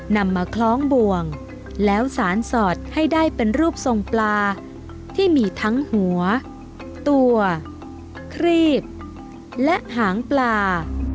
นำมาคล้องบ่วงแล้วสารสอดให้ได้เป็นรูปทรงปลาที่มีทั้งหัวตัวครีบและหางปลา